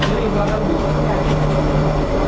ini yang saya inginkan